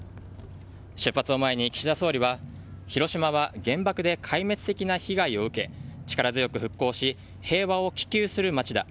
出発を前に岸田総理は広島は原爆で壊滅的な被害を受け力強く復興し平和を希求する街だ。